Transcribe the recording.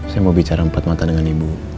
saya mau bicara empat mata dengan ibu